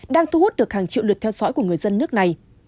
đang thu hút được hàng triệu lượt theo dõi của người dân nước này